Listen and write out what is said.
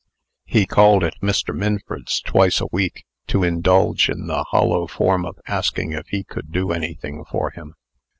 He called at Mr. Minford's twice a week, to indulge in the hollow form of asking if he could do anything for him.